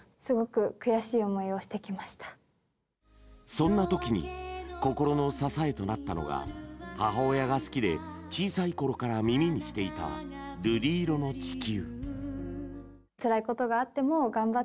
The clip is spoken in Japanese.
そんなときに心の支えとなったのが母親が好きで小さいころから耳にしていた「瑠璃色の地球」。